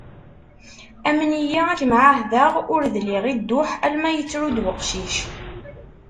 Amen-iyi, ad kem-ɛahdeɣ ur dliɣ i dduḥ alma, yettru-d uqcic.